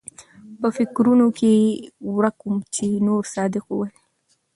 پۀ فکرونو کښې ورک ووم چې نورصادق وويل